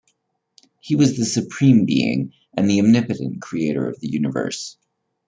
He was the supreme being and the omnipotent creator of the universe.